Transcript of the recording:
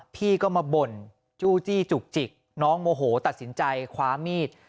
พี่ก็มาบ่นจู้จี้จุกจิกน้องโมโหตัดสินใจคว้ามีด